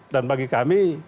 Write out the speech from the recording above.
dan bagi kami